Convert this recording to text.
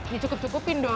ya cukup cukupin dong